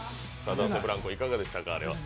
男性ブランコいかがでしたか？